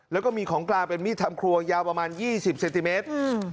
แล้วก็มีของกลางเป็นมีดทำครัวยาวประมาณยี่สิบเซนติเมตร